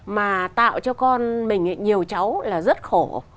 mà tạo cho con mình nhiều cháu là rất khổ